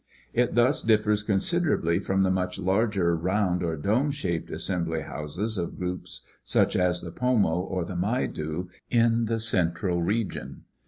It thus differs considerably from the much larger round or dome shaped assem bly houses of groups such as the Porno or the Maidu in the cen tral region.